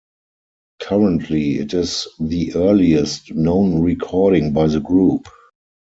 Currently, it is the earliest known recording by the group.